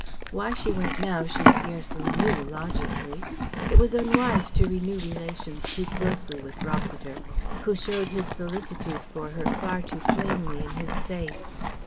Why she went now she scarcely knew, logically. It was unwise to renew relations too closely with Rossiter, who showed his solicitude for her far too plainly in his face.